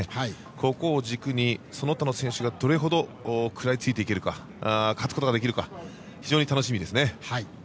ここを軸にその他の選手がどれほど食らいついていけるか勝つことができるか非常に楽しみですね。